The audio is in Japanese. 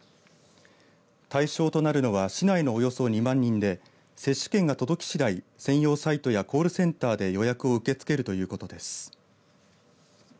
対象となるのは市内のおよそ２万人で接種券が届きしだい専用サイトやコールセンターで予約を受け付けるということです。